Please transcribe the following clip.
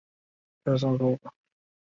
碑迁址村南马地。